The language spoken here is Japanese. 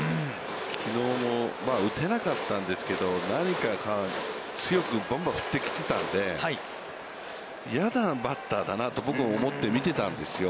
きのうも打てなかったんですけれども、何か強くばんばん振ってきたので、嫌なバッターだなと、僕は思って見てたんですよ。